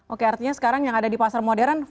oke artinya sekarang yang ada di pasar modern